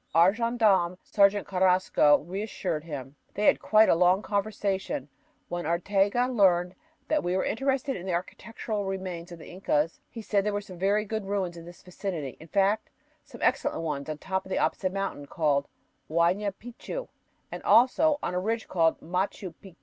Our gendarme, Sergeant Carrasco, reassured him. They had quite a long conversation. When Arteaga learned that we were interested in the architectural remains of the Incas, he said there were some very good ruins in this vicinity in fact, some excellent ones on top of the opposite mountain, called Huayna Picchu, and also on a ridge called Machu Picchu.